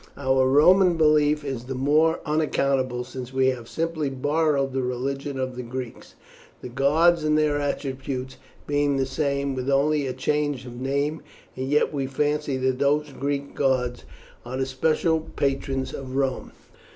Our Roman belief is the more unaccountable since we have simply borrowed the religion of the Greeks, the gods and their attributes being the same, with only a change of name; and yet we fancy that these Greek gods are the special patrons of Rome.